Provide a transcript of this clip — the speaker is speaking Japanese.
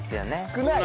少ない。